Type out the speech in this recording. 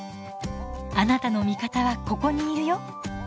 「あなたの味方はここにいるよ」。